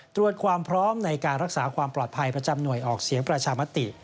ตรวจความพร้อมในการรักษาความปลอดภัยประจำหน่วยออกเสียงประชามติ